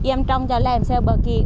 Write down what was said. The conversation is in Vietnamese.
em trông cho lêm xe bờ kỳ